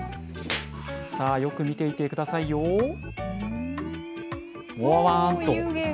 さあ、よく見ていてくださいよ。もわーんと。